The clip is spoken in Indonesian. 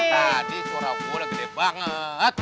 tadi suara gue udah gede banget